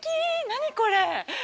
何これ！